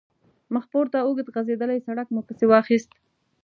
مخپورته اوږد غځېدلی سړک مو پسې واخیست.